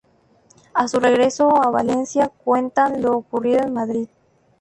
A su regreso a Valencia cuentan lo ocurrido en Madrid.